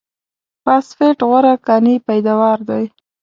فاسفېټ غوره کاني پیداوار دی.